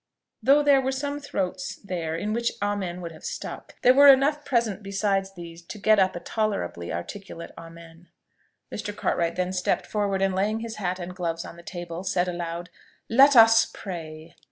Though there were some throats there in which Amen would have stuck, there were enough present besides these to get up a tolerably articulate Amen. Mr. Cartwright then stepped forward, and laying his hat and gloves on the table, said aloud, "Let us pray!"